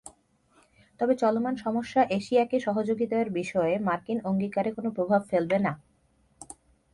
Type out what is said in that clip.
তবে চলমান সমস্যা এশিয়াকে সহযোগিতার বিষয়ে মার্কিন অঙ্গীকারে কোনো প্রভাব ফেলবে না।